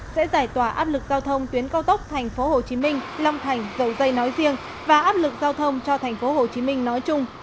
sẽ giải tỏa áp lực giao thông tuyến cao tốc tp hcm long thành dầu dây nói riêng và áp lực giao thông cho tp hcm nói chung